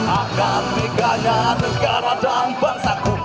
akan peganya negara dan bangsa ku